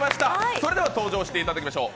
それでは登場していただきましょう。